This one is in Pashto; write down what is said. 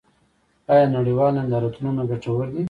آیا نړیوال نندارتونونه ګټور دي؟